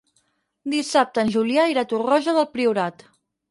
Dissabte en Julià irà a Torroja del Priorat.